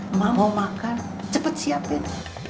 emak mau makan cepet siapin